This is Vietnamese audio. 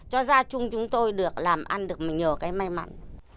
cho gia chung chúng tôi được làm ăn được nhiều cái may mắn